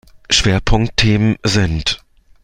Schwerpunktthemen sind